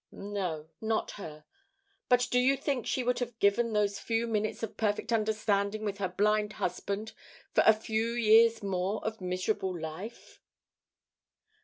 "No, not her. But do you think she would have given those few minutes of perfect understanding with her blind husband for a few years more of miserable life?"